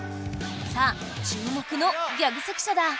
さあ注目のギャグ関所だ。